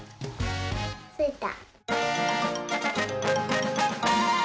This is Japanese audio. ついた！